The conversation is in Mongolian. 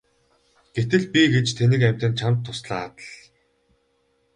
Гэтэл би гэж тэнэг амьтан чамд туслаад л!